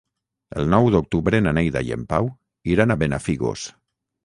El nou d'octubre na Neida i en Pau iran a Benafigos.